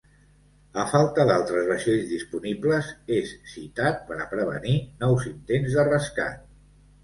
A falta d'altres vaixells disponibles és citat per a prevenir nous intents de rescat.